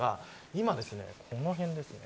今、この辺りですね。